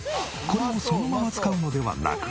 これをそのまま使うのではなく。